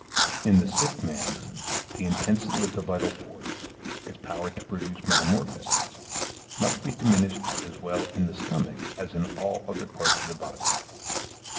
In the sick man, the intensity of the vital force, its power to produce metamorphoses, must be diminished as well in the stomach as in all other parts of the body.